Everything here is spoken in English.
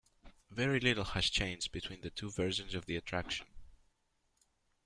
Very little was changed between the two versions of the attraction.